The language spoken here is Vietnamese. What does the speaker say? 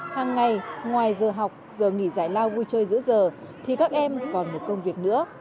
hàng ngày ngoài giờ học giờ nghỉ giải lao vui chơi giữa giờ thì các em còn một công việc nữa